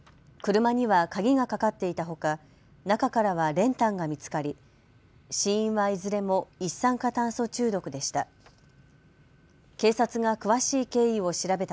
車には鍵がかかっていたほか中からは練炭が見つかり死因はいずれも一酸化炭素中毒でした。